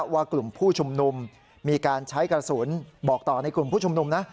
ว่ากลุ่มผู้ชุมนุมมีการใช้กระสุนบอกต่อในกลุ่มผู้ชุมนุมนะ